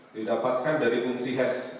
didapatkan dari fungsi hes